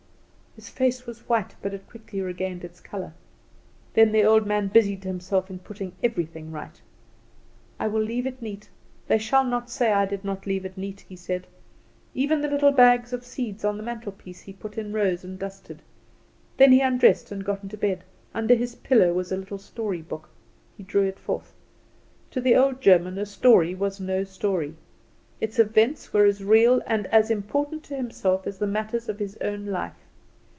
His face was white, but it quickly regained its colour. Then the old man busied himself in putting everything right. "I will leave it neat. They shall not say I did not leave it neat," he said. Even the little bags of seeds on the mantelpiece he put in rows and dusted. Then he undressed and got into bed. Under his pillow was a little storybook. He drew it forth. To the old German a story was no story. Its events were as real and as important to himself as the matters of his own life.